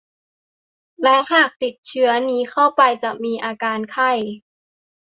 และหากติดเชื้อนี้เข้าไปจะมีอาการไข้